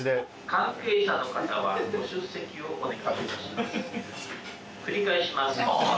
関係者の方はご出席をお願いいたします。